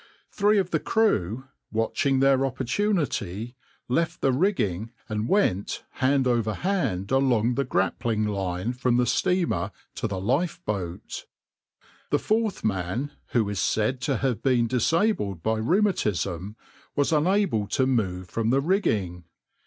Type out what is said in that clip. Three of the crew, watching their opportunity, left the rigging and went hand over hand along the grappling line from the steamer to the lifeboat. The fourth man, who is said to have been disabled by rheumatism, was unable to move from the rigging.